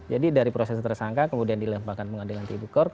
jadi dari proses tersangka kemudian dilemparkan pengadilan tribu kor